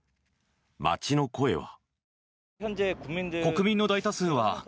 街の声は。